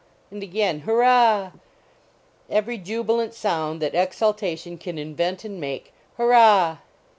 And again hurrah ! Every jubilant sound that exultation can invent and make hurrah